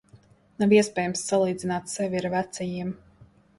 Nav iespējams salīdzināt sevi ar vecajiem.